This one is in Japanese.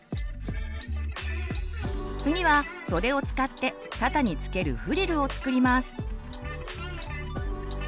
次は袖を使って肩に付けるフリルを作ります。